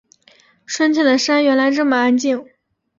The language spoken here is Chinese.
春天的山原来这么安静